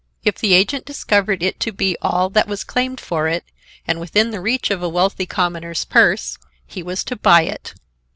If the agent discovered it to be all that was claimed for it, and within the reach of a wealthy commoner's purse, he was to buy it.